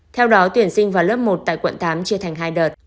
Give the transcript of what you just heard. theo đó tuyển sinh vào lớp một tại quận tám chia thành hai đợt